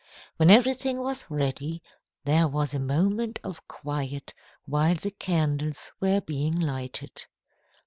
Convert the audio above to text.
When everything was ready, there was a moment of quiet while the candles were being lighted.